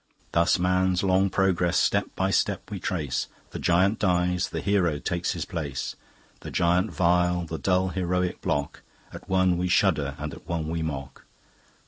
Thus man's long progress step by step we trace; The Giant dies, the hero takes his place; The Giant vile, the dull heroic Block: At one we shudder and at one we mock.